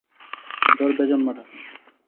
ধর বেজন্মা টাকে।